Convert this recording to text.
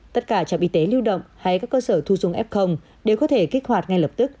tất cả trạm y tế lưu động hay các cơ sở thu dung f đều có thể kích hoạt ngay lập tức